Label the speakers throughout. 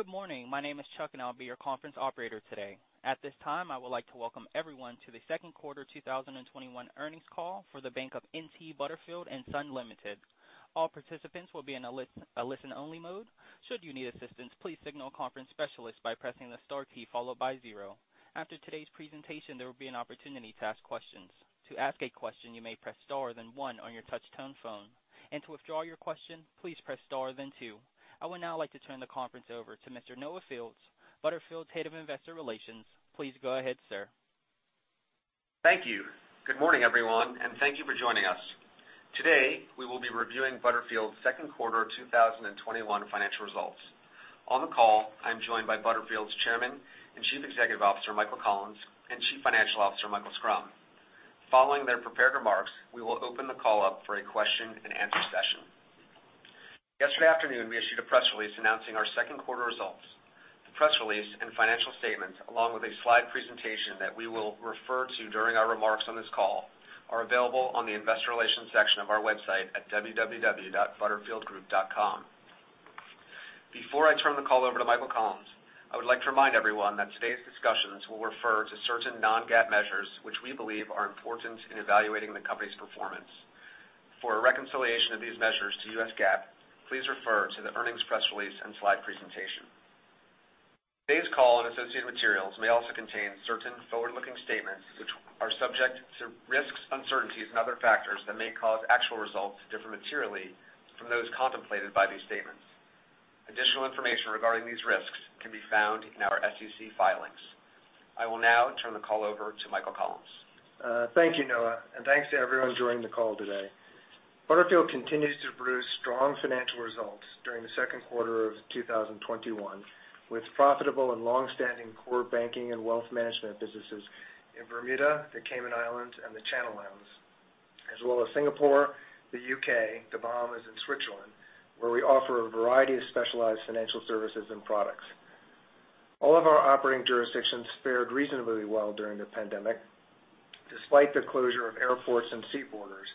Speaker 1: Good morning. My name is Chuck, and I'll be your conference operator today. At this time, I would like to welcome everyone to the second quarter 2021 earnings call for The Bank of N.T. Butterfield & Son Limited. All participants will be in a listen-only mode. Should you need assistance, please signal a conference specialist by pressing the star key, followed by zero. After today's presentation, there will be an opportunity to ask questions. To ask a question, you may press star, then one on your touch-tone phone. To withdraw your question, please press star, then two. I would now like to turn the conference over to Mr. Noah Fields, Butterfield's Head of Investor Relations. Please go ahead, sir.
Speaker 2: Thank you. Good morning, everyone, and thank you for joining us. Today, we will be reviewing Butterfield's second quarter 2021 financial results. On the call, I'm joined by Butterfield's Chairman and Chief Executive Officer, Michael Collins, and Chief Financial Officer, Michael Schrum. Following their prepared remarks, we will open the call up for a question-and-answer session. Yesterday afternoon, we issued a press release announcing our second quarter results. The press release and financial statements, along with a slide presentation that we will refer to during our remarks on this call, are available on the Investor Relations section of our website at www.butterfieldgroup.com. Before I turn the call over to Michael Collins, I would like to remind everyone that today's discussions will refer to certain non-GAAP measures which we believe are important in evaluating the company's performance. For a reconciliation of these measures to U.S. GAAP, please refer to the earnings press release and slide presentation. Today's call and associated materials may also contain certain forward-looking statements which are subject to risks, uncertainties, and other factors that may cause actual results to differ materially from those contemplated by these statements. Additional information regarding these risks can be found in our SEC filings. I will now turn the call over to Michael Collins.
Speaker 3: Thank you, Noah, and thanks to everyone joining the call today. Butterfield continues to produce strong financial results during the second quarter of 2021, with profitable and longstanding core banking and wealth management businesses in Bermuda, the Cayman Islands, and the Channel Islands, as well as Singapore, the U.K., the Bahamas, and Switzerland, where we offer a variety of specialized financial services and products. All of our operating jurisdictions fared reasonably well during the pandemic, despite the closure of air and sea borders,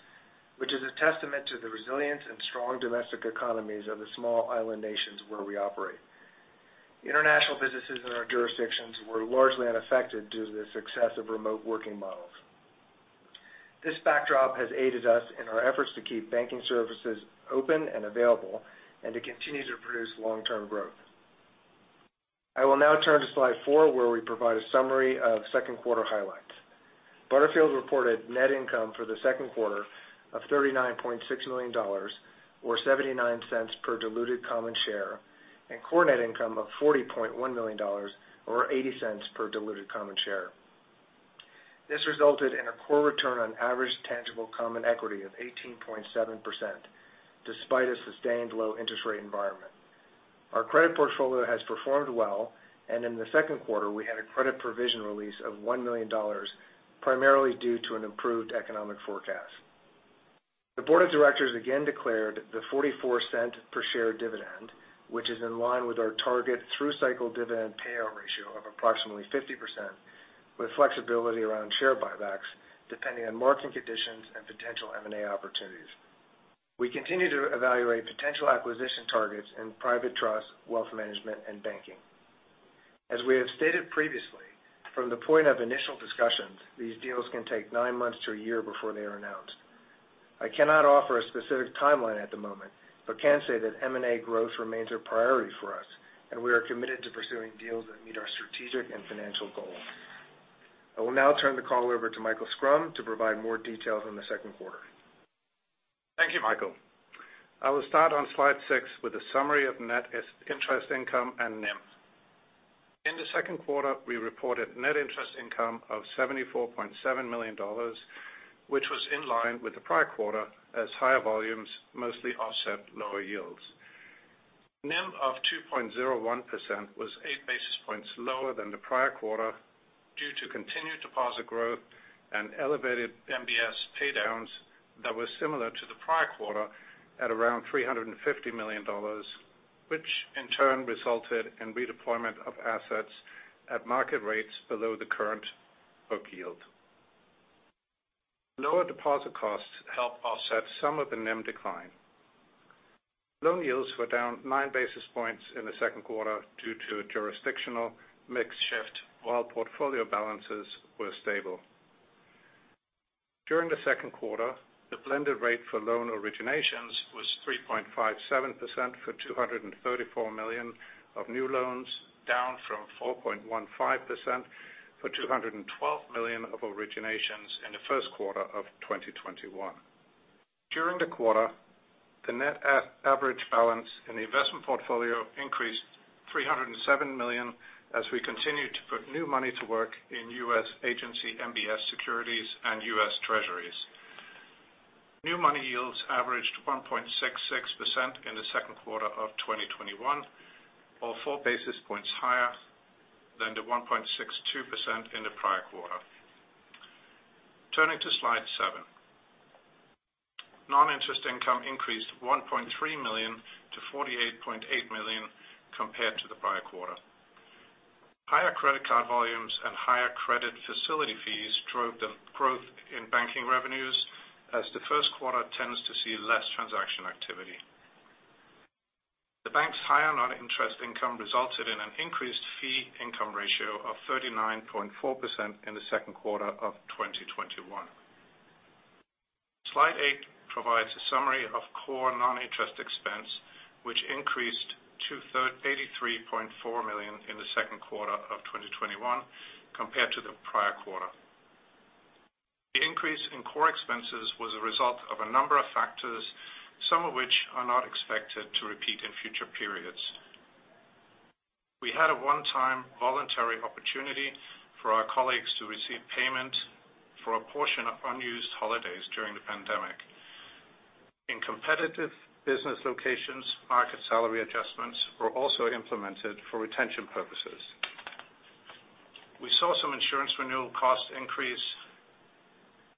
Speaker 3: which is a testament to the resilience and strong domestic economies of the small island nations where we operate. International businesses in our jurisdictions were largely unaffected due to the success of remote working models. This backdrop has aided us in our efforts to keep banking services open and available, and to continue to produce long-term growth. I will now turn to slide four, where we provide a summary of secnd quarter highlights. Butterfield reported net income for the second quarter of $39.6 million, or $0.79 per diluted common share, and core net income of $40.1 million or $0.80 per diluted common share. This resulted in a core return on average tangible common equity of 18.7%, despite a sustained low interest rate environment. Our credit portfolio has performed well, and in the second quarter, we had a credit provision release of $1 million, primarily due to an improved economic forecast. The Board of Directors again declared the $0.44 per share dividend, which is in line with our target through cycle dividend payout ratio of approximately 50%, with flexibility around share buybacks depending on market conditions and potential M&A opportunities. We continue to evaluate potential acquisition targets in private trust, wealth management, and banking. As we have stated previously, from the point of initial discussions, these deals can take nine months to a year before they are announced. I cannot offer a specific timeline at the moment, but can say that M&A growth remains a priority for us, and we are committed to pursuing deals that meet our strategic and financial goals. I will now turn the call over to Michael Schrum to provide more details on the second quarter.
Speaker 4: Thank you, Michael. I will start on slide six with a summary of net interest income and NIM. In the second quarter, we reported net interest income of $74.7 million, which was in line with the prior quarter as higher volumes mostly offset lower yields. NIM of 2.01% was 8 basis points lower than the prior quarter due to continued deposit growth and elevated MBS paydowns that were similar to the prior quarter at around $350 million, which in turn resulted in redeployment of assets at market rates below the current book yield. Lower deposit costs helped offset some of the NIM decline. Loan yields were down 9 basis points in the second quarter due to a jurisdictional mix shift, while portfolio balances were stable. During the second quarter, the blended rate for loan originations was 3.57% for $234 million of new loans, down from 4.15% for $212 million of originations in the first quarter of 2021. During the quarter, the net average balance in the investment portfolio increased $307 million as we continued to put new money to work in U.S. agency MBS securities and U.S. Treasuries. New money yields averaged 1.66% in the second quarter of 2021, or 4 basis points higher than the 1.62% in the prior quarter. Turning to slide seven. Non-interest income increased $1.3 million-$48.8 million compared to the prior quarter. Credit card volumes and higher credit facility fees drove the growth in banking revenues, as the first quarter tends to see less transaction activity. The bank's higher non-interest income resulted in an increased fee income ratio of 39.4% in the second quarter of 2021. Slide eight provides a summary of core non-interest expense, which increased to $83.4 million in the second quarter of 2021 compared to the prior quarter. The increase in core expenses was a result of a number of factors, some of which are not expected to repeat in future periods. We had a one-time voluntary opportunity for our colleagues to receive payment for a portion of unused holidays during the pandemic. In competitive business locations, market salary adjustments were also implemented for retention purposes. We saw some insurance renewal cost increase,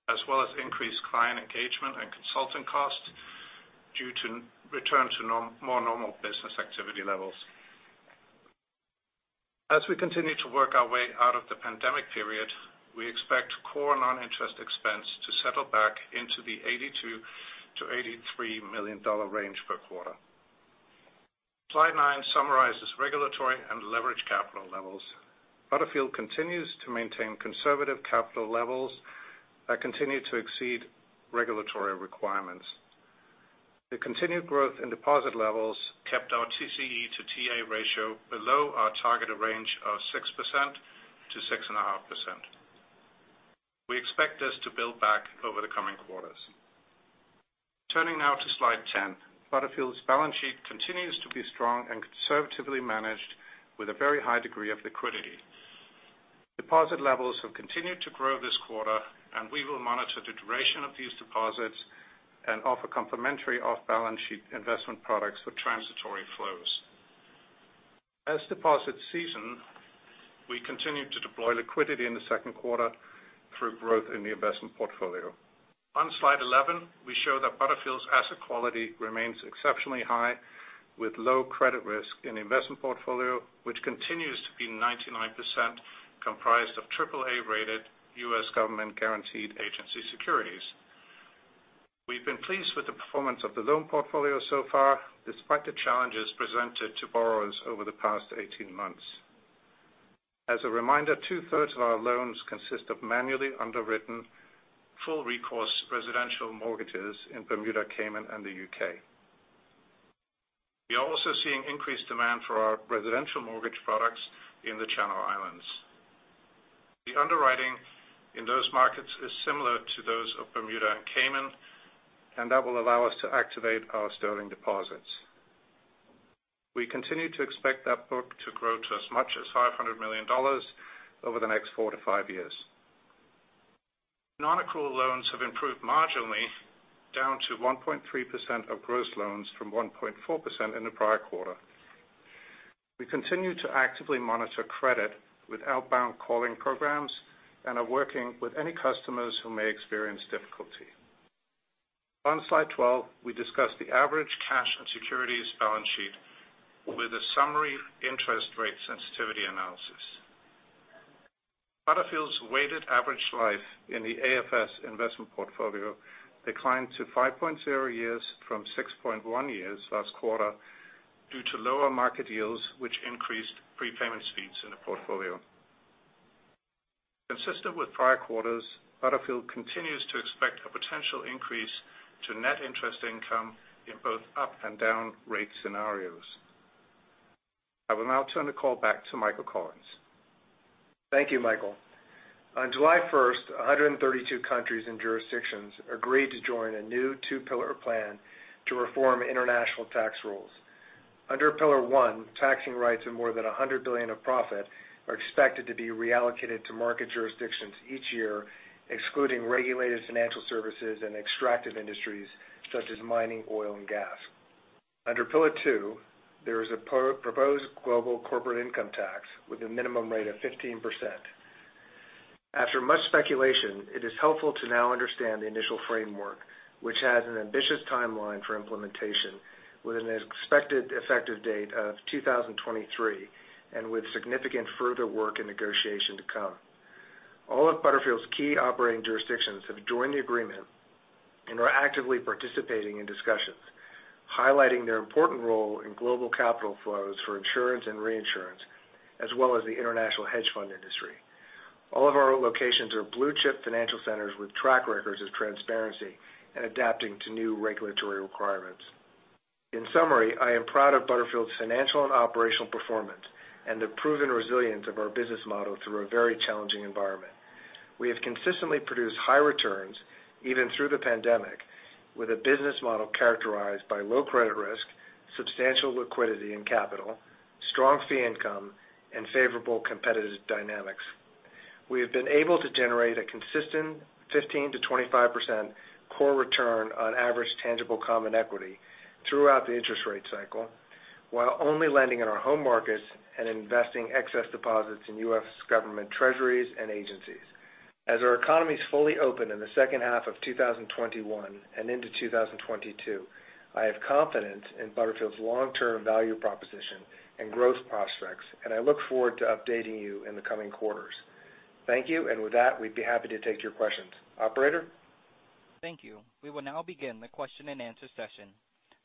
Speaker 4: as well as increased client engagement and consulting costs due to return to more normal business activity levels. As we continue to work our way out of the pandemic period, we expect core non-interest expense to settle back into the $82 million-$83 million range per quarter. Slide nine summarizes regulatory and leverage capital levels. Butterfield continues to maintain conservative capital levels that continue to exceed regulatory requirements. The continued growth in deposit levels kept our TCE to TA ratio below our targeted range of 6%-6.5%. We expect this to build back over the coming quarters. Turning now to slide 10. Butterfield's balance sheet continues to be strong and conservatively managed with a very high degree of liquidity. Deposit levels have continued to grow this quarter, and we will monitor the duration of these deposits and offer complementary off-balance sheet investment products for transitory flows. As deposits season, we continue to deploy liquidity in the second quarter through growth in the investment portfolio. On slide 11, we show that Butterfield's asset quality remains exceptionally high, with low credit risk in the investment portfolio, which continues to be 99% comprised of AAA-rated U.S. government-guaranteed agency securities. We've been pleased with the performance of the loan portfolio so far, despite the challenges presented to borrowers over the past 18 months. As a reminder, 2/3 of our loans consist of manually underwritten full recourse residential mortgages in Bermuda, Cayman, and the U.K. We are also seeing increased demand for our residential mortgage products in the Channel Islands. The underwriting in those markets is similar to those of Bermuda and Cayman, and that will allow us to activate our sterling deposits. We continue to expect that book to grow to as much as $500 million over the next four to five years. Non-accrual loans have improved marginally down to 1.3% of gross loans from 1.4% in the prior quarter. We continue to actively monitor credit with outbound calling programs and are working with any customers who may experience difficulty. On slide 12, we discuss the average cash and securities balance sheet with a summary interest rate sensitivity analysis. Butterfield's weighted average life in the AFS investment portfolio declined to 5.0 years from 6.1 years last quarter due to lower market yields, which increased prepayment speeds in the portfolio. Consistent with prior quarters, Butterfield continues to expect a potential increase to net interest income in both up and down rate scenarios. I will now turn the call back to Michael Collins.
Speaker 3: Thank you, Michael. On July 1st, 132 countries and jurisdictions agreed to join a new two-pillar plan to reform international tax rules. Under Pillar One, taxing rights of more than $100 billion of profit are expected to be reallocated to market jurisdictions each year, excluding regulated financial services and extractive industries such as mining, oil, and gas. Under Pillar Two, there is a proposed global corporate income tax with a minimum rate of 15%. After much speculation, it is helpful to now understand the initial framework, which has an ambitious timeline for implementation with an expected effective date of 2023 and with significant further work and negotiation to come. All of Butterfield's key operating jurisdictions have joined the agreement and are actively participating in discussions, highlighting their important role in global capital flows for insurance and reinsurance, as well as the international hedge fund industry. All of our locations are blue-chip financial centers with track records of transparency and adapting to new regulatory requirements. In summary, I am proud of Butterfield's financial and operational performance and the proven resilience of our business model through a very challenging environment. We have consistently produced high returns, even through the pandemic, with a business model characterized by low credit risk, substantial liquidity and capital, strong fee income, and favorable competitive dynamics. We have been able to generate a consistent 15%-25% core return on average tangible common equity throughout the interest rate cycle, while only lending in our home markets and investing excess deposits in U.S. government treasuries and agencies. As our economy is fully open in the second half of 2021 and into 2022, I have confidence in Butterfield's long-term value proposition and growth prospects, and I look forward to updating you in the coming quarters. Thank you. With that, we'd be happy to take your questions. Operator?
Speaker 1: Thank you. We will now begin the question-and-answer session.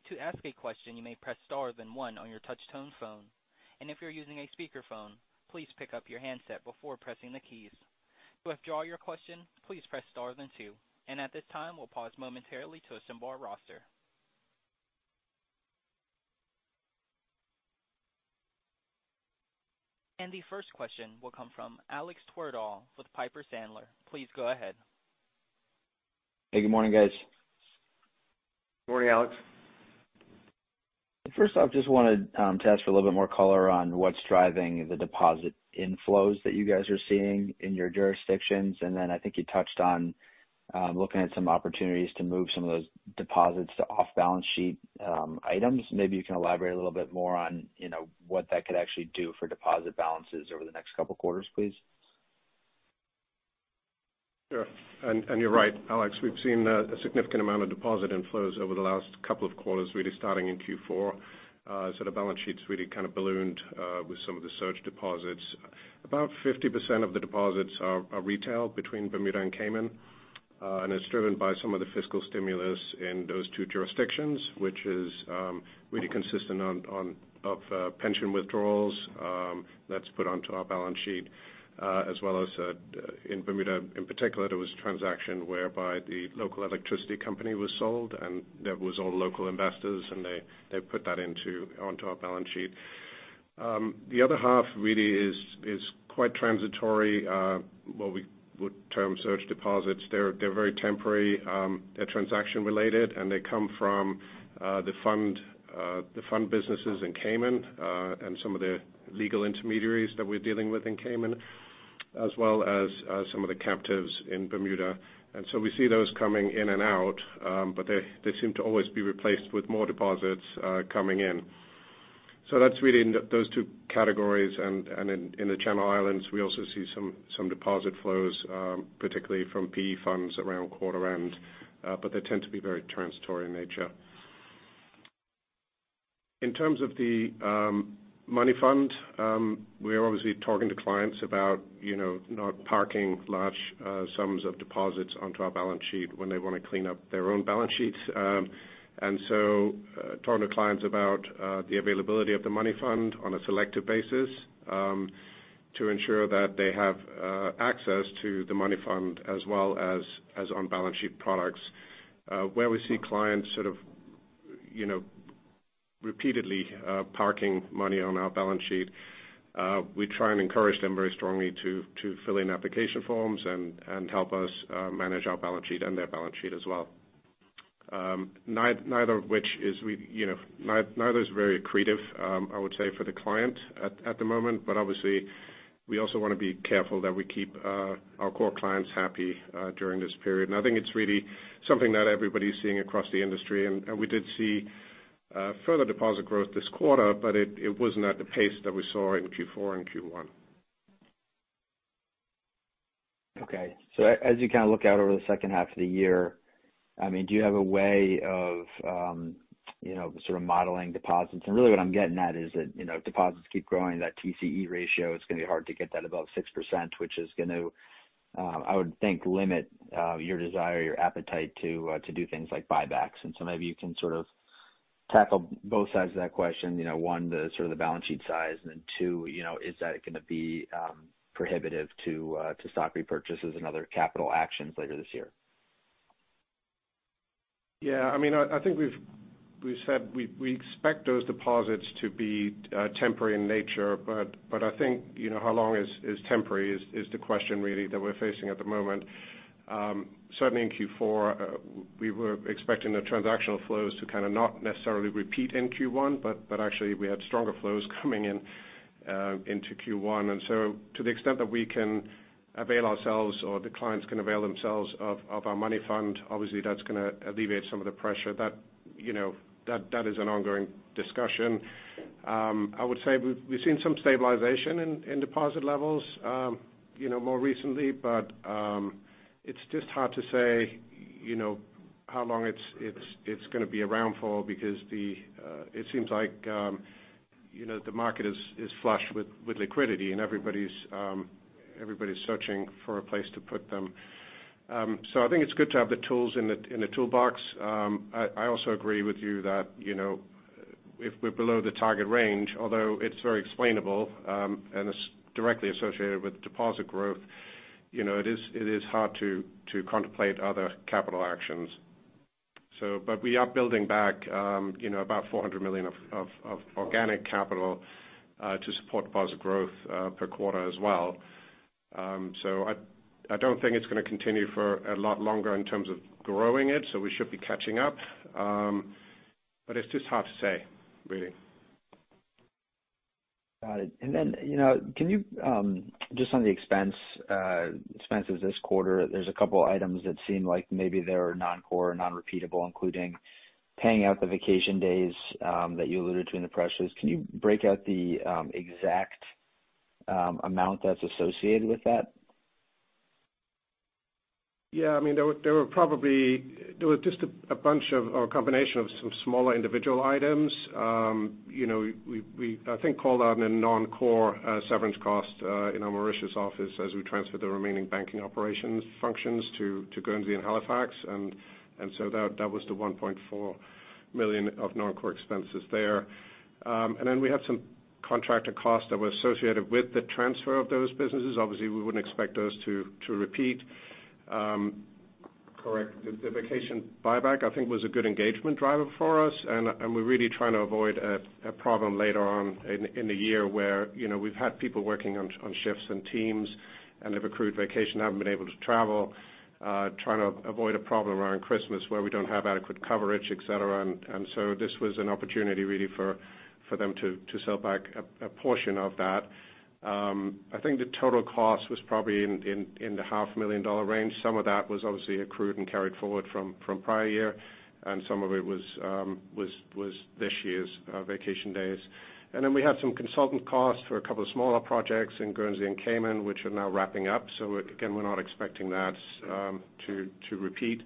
Speaker 1: To ask a question you may press star then one on your touch-tone phone. And if you’re using a speaker phone, please pick up your handset before pressing the keys. To withdraw your question, please press star then two. And at this time we will pause momentarily to assemble our roster. The first question will come from Alex Twerdahl with Piper Sandler. Please go ahead.
Speaker 5: Hey, good morning, guys.
Speaker 4: Good morning, Alex.
Speaker 5: First off, just wanted to ask for a little bit more color on what's driving the deposit inflows that you guys are seeing in your jurisdictions. I think you touched on looking at some opportunities to move some of those deposits to off-balance sheet items. Maybe you can elaborate a little bit more on what that could actually do for deposit balances over the next couple of quarters, please.
Speaker 4: Sure. You're right, Alex. We've seen a significant amount of deposit inflows over the last couple of quarters, really starting in Q4. The balance sheet's really kind of ballooned with some of the surge deposits. About 50% of the deposits are retail between Bermuda and Cayman, and it's driven by some of the fiscal stimulus in those two jurisdictions, which is really consistent of pension withdrawals that's put onto our balance sheet. As well as in Bermuda, in particular, there was a transaction whereby the local electricity company was sold, and that was all local investors, and they put that onto our balance sheet. The other half really is quite transitory, what we would term surge deposits. They're very temporary. They're transaction related, they come from the fund businesses in Cayman and some of the legal intermediaries that we're dealing with in Cayman, as well as some of the captives in Bermuda. We see those coming in and out. They seem to always be replaced with more deposits coming in. That's really those two categories. In the Channel Islands, we also see some deposit flows, particularly from PE funds around quarter end. They tend to be very transitory in nature. In terms of the money fund, we're obviously talking to clients about not parking large sums of deposits onto our balance sheet when they want to clean up their own balance sheets. Talking to clients about the availability of the money fund on a selective basis to ensure that they have access to the money fund as well as on-balance sheet products. Where we see clients sort of repeatedly parking money on our balance sheet, we try and encourage them very strongly to fill in application forms and help us manage our balance sheet and their balance sheet as well. Neither is very accretive, I would say, for the client at the moment. Obviously we also want to be careful that we keep our core clients happy during this period. I think it's really something that everybody's seeing across the industry. We did see further deposit growth this quarter, but it wasn't at the pace that we saw in Q4 and Q1.
Speaker 5: Okay. As you kind of look out over the second half of the year, do you have a way of sort of modeling deposits? Really what I'm getting at is that if deposits keep growing, that TCE ratio is going to be hard to get that above 6%, which is going to, I would think, limit your desire, your appetite to do things like buybacks. Maybe you can sort of tackle both sides of that question. One, the sort of the balance sheet size, and then two, is that going to be prohibitive to stock repurchases and other capital actions later this year?
Speaker 4: Yeah, I think we've said we expect those deposits to be temporary in nature. I think how long is temporary is the question really that we're facing at the moment. Certainly in Q4, we were expecting the transactional flows to kind of not necessarily repeat in Q1, but actually we had stronger flows coming into Q1. To the extent that we can avail ourselves or the clients can avail themselves of our money fund, obviously that's going to alleviate some of the pressure. That is an ongoing discussion. I would say we've seen some stabilization in deposit levels more recently. It's just hard to say how long it's going to be around for because it seems like the market is flush with liquidity and everybody's searching for a place to put them. I think it's good to have the tools in the toolbox. I also agree with you that if we're below the target range, although it's very explainable and it's directly associated with deposit growth, it is hard to contemplate other capital actions. We are building back about $400 million of organic capital to support deposit growth per quarter as well. I don't think it's going to continue for a lot longer in terms of growing it. We should be catching up. It's just hard to say really.
Speaker 5: Got it. Just on the expenses this quarter, there's a couple items that seem like maybe they're non-core, non-repeatable, including paying out the vacation days that you alluded to in the press release. Can you break out the exact amount that's associated with that?
Speaker 4: Yeah. There was just a bunch of, or combination of some smaller individual items. We, I think, called out a non-core severance cost in our Mauritius office as we transferred the remaining banking operations functions to Guernsey and Halifax. That was the $1.4 million of non-core expenses there. We had some contractor costs that were associated with the transfer of those businesses. Obviously, we wouldn't expect those to repeat. Correct. The vacation buyback, I think, was a good engagement driver for us, and we're really trying to avoid a problem later on in the year where we've had people working on shifts and teams and have accrued vacation, haven't been able to travel. Trying to avoid a problem around Christmas where we don't have adequate coverage, et cetera. This was an opportunity, really, for them to sell back a portion of that. I think the total cost was probably in the half-million-dollar range. Some of that was obviously accrued and carried forward from prior year, and some of it was this year's vacation days. We had some consultant costs for a couple of smaller projects in Guernsey and Cayman, which are now wrapping up. Again, we're not expecting that to repeat.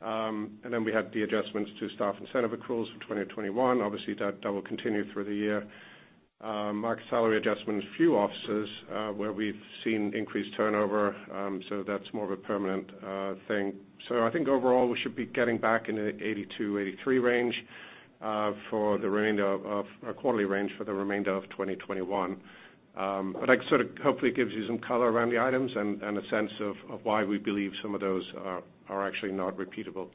Speaker 4: We had the adjustments to staff incentive accruals for 2021. Obviously, that will continue through the year. Market salary adjustments, a few offices where we've seen increased turnover. That's more of a permanent thing. I think overall, we should be getting back in the $82 million-$83 million range for the remainder of our quarterly range for the remainder of 2021. That sort of hopefully gives you some color around the items and a sense of why we believe some of those are actually not repeatable.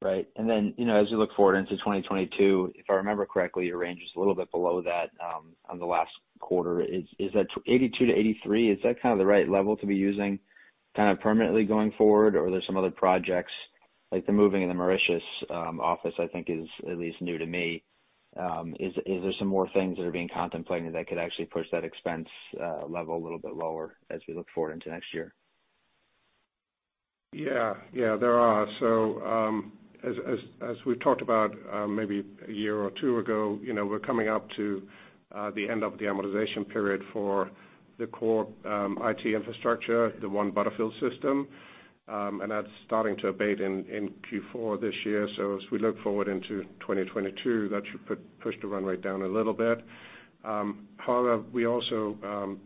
Speaker 5: Right. As we look forward into 2022, if I remember correctly, your range is a little bit below that on the last quarter. Is that $82 million-$83 million? Is that kind of the right level to be using permanently going forward? Are there some other projects, like the moving of the Mauritius office, I think is at least new to me. Is there some more things that are being contemplated that could actually push that expense level a little bit lower as we look forward into next year?
Speaker 4: Yeah. There are. As we talked about maybe a year or two ago, we're coming up to the end of the amortization period for the core IT infrastructure, the One Butterfield system, and that's starting to abate in Q4 this year. As we look forward into 2022, that should push the run rate down a little bit. We're also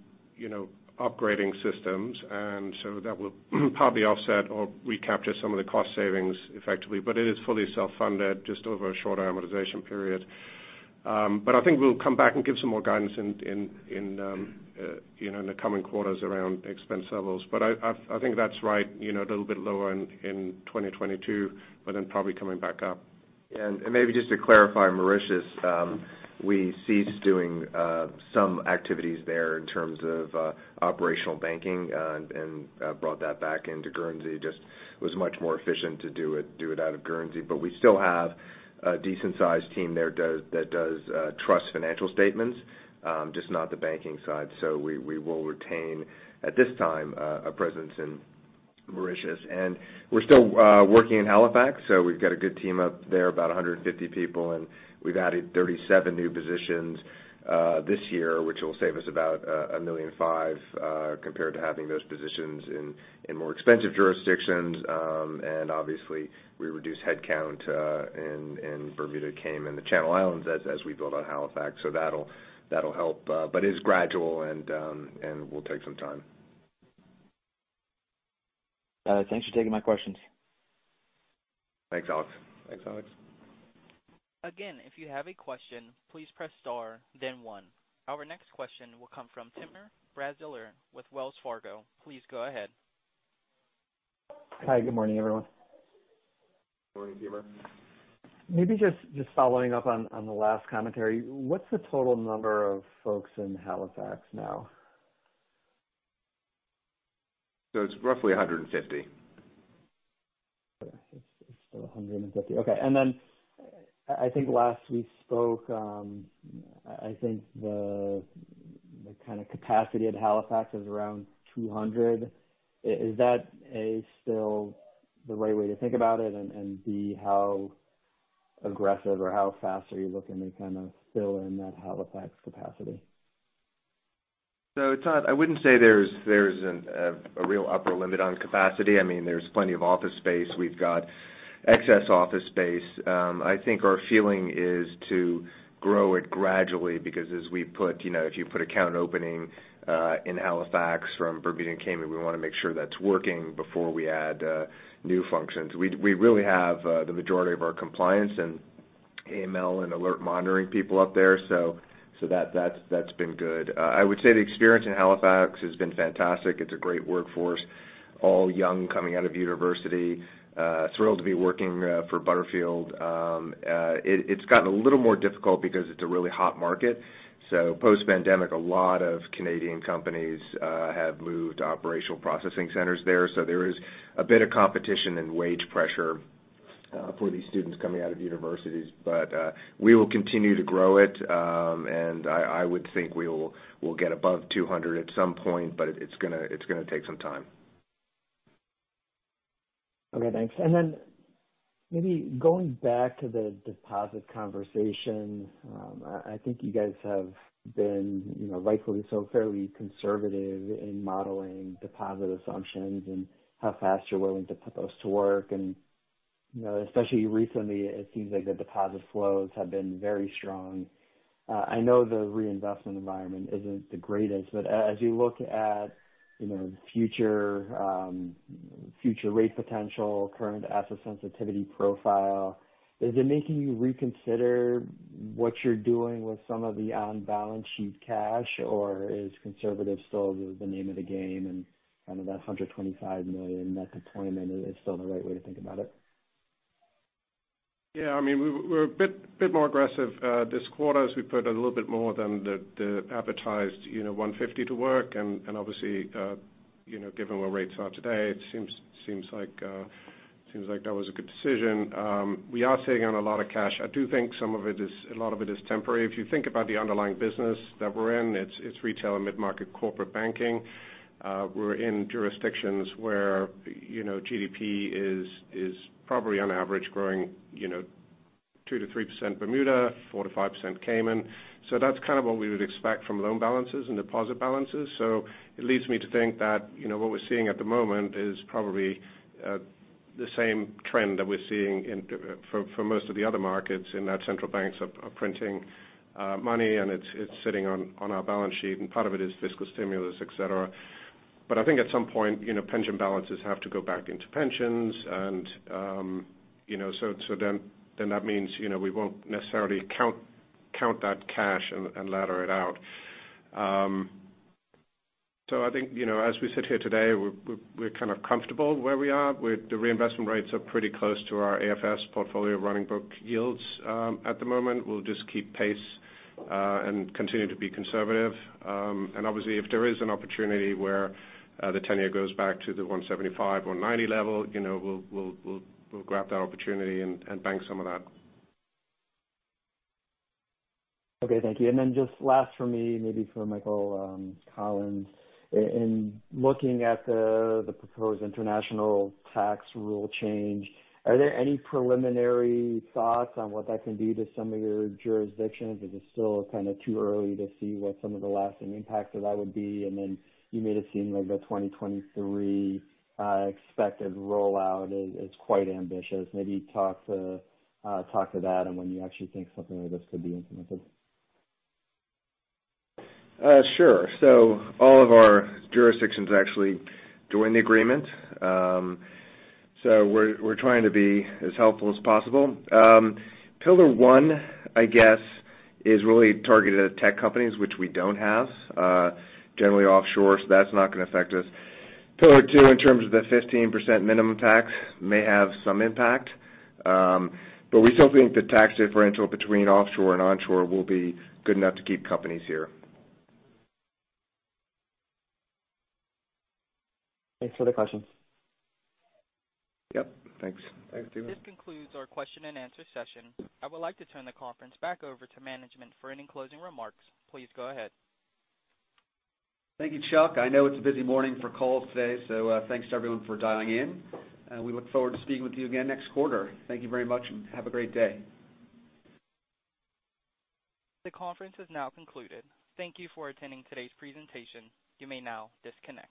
Speaker 4: upgrading systems, that will probably offset or recapture some of the cost savings effectively. It is fully self-funded, just over a shorter amortization period. I think we'll come back and give some more guidance in the coming quarters around expense levels. I think that's right, a little bit lower in 2022, probably coming back up.
Speaker 3: Maybe just to clarify Mauritius. We ceased doing some activities there in terms of operational banking and brought that back into Guernsey. Was much more efficient to do it out of Guernsey. We still have a decent-sized team there that does trust financial statements, just not the banking side. We will retain, at this time, a presence in Mauritius. We're still working in Halifax, we've got a good team up there, about 150 people, and we've added 37 new positions this year, which will save us about $1.5 million compared to having those positions in more expensive jurisdictions. Obviously we reduced headcount in Bermuda, Cayman, the Channel Islands as we build out Halifax. That'll help. It is gradual and will take some time.
Speaker 5: Thanks for taking my questions.
Speaker 3: Thanks, Alex.
Speaker 4: Thanks, Alex.
Speaker 1: Again, if you have a question, please press star then one. Our next question will come from Timur Braziler with Wells Fargo. Please go ahead.
Speaker 6: Hi. Good morning, everyone.
Speaker 3: Morning, Timur.
Speaker 6: Maybe just following up on the last commentary. What's the total number of folks in Halifax now?
Speaker 3: It's roughly 150.
Speaker 6: Okay. It's still 150. Okay. I think last we spoke, I think the kind of capacity at Halifax is around 200. Is that, A, still the right way to think about it? B, how aggressive or how fast are you looking to kind of fill in that Halifax capacity?
Speaker 3: Timur, I wouldn't say there's a real upper limit on capacity. There's plenty of office space. We've got excess office space. I think our feeling is to grow it gradually because if you put account opening in Halifax from Bermuda and Cayman, we want to make sure that's working before we add new functions. We really have the majority of our compliance and AML and alert monitoring people up there, so that's been good. I would say the experience in Halifax has been fantastic. It's a great workforce. All young, coming out of university. Thrilled to be working for Butterfield. It's gotten a little more difficult because it's a really hot market. Post-pandemic, a lot of Canadian companies have moved operational processing centers there. There is a bit of competition and wage pressure for these students coming out of universities. We will continue to grow it. I would think we'll get above 200 at some point, but it's going to take some time.
Speaker 6: Okay, thanks. Then maybe going back to the deposit conversation, I think you guys have been rightfully so fairly conservative in modeling deposit assumptions and how fast you're willing to put those to work. Especially recently, it seems like the deposit flows have been very strong. I know the reinvestment environment isn't the greatest, but as you look at future rate potential, current asset sensitivity profile, is it making you reconsider what you're doing with some of the on-balance sheet cash, or is conservative still the name of the game and kind of that $125 million net deployment is still the right way to think about it?
Speaker 4: Yeah, we're a bit more aggressive this quarter as we put a little bit more than the advertised 150 to work. Obviously, given where rates are today, it seems like that was a good decision. We are sitting on a lot of cash. I do think a lot of it is temporary. If you think about the underlying business that we're in, it's retail and mid-market corporate banking. We're in jurisdictions where GDP is probably on average growing 2%-3% Bermuda, 4%-5% Cayman. That's kind of what we would expect from loan balances and deposit balances. It leads me to think that what we're seeing at the moment is probably the same trend that we're seeing for most of the other markets in that central banks are printing money and it's sitting on our balance sheet, and part of it is fiscal stimulus, et cetera. I think at some point, pension balances have to go back into pensions, that means we won't necessarily count that cash and ladder it out. I think as we sit here today, we're kind of comfortable where we are. The reinvestment rates are pretty close to our AFS portfolio running book yields at the moment. We'll just keep pace and continue to be conservative. Obviously if there is an opportunity where the tenure goes back to the 1.75, 1.90 level, we'll grab that opportunity and bank some of that.
Speaker 6: Okay, thank you. Just last for me, maybe for Michael Collins. In looking at the proposed international tax rule change, are there any preliminary thoughts on what that can do to some of your jurisdictions? Is it still kind of too early to see what some of the lasting impacts of that would be? You made it seem like the 2023 expected rollout is quite ambitious. Maybe talk to that and when you actually think something like this could be implemented.
Speaker 3: Sure. All of our jurisdictions actually join the agreement. We're trying to be as helpful as possible. Pillar One, I guess, is really targeted at tech companies, which we don't have generally offshore, so that's not going to affect us. Pillar Two, in terms of the 15% minimum tax may have some impact. We still think the tax differential between offshore and onshore will be good enough to keep companies here.
Speaker 6: Thanks for the question.
Speaker 4: Yep. Thanks.
Speaker 3: Thanks, Timur.
Speaker 1: This concludes our question-and-answer session. I would like to turn the conference back over to management for any closing remarks. Please go ahead.
Speaker 3: Thank you, Chuck. I know it's a busy morning for calls today, so thanks to everyone for dialing in, and we look forward to speaking with you again next quarter. Thank you very much, and have a great day.
Speaker 1: The conference is now concluded. Thank you for attending today's presentation. You may now disconnect.